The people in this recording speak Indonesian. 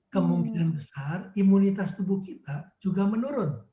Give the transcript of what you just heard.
kemungkinan besar imunitas tubuh kita juga menurun